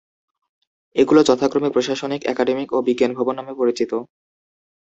এগুলো যথাক্রমে প্রশাসনিক, একাডেমিক ও বিজ্ঞান ভবন নামে পরিচিত।